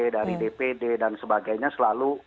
dari dpd dan sebagainya selalu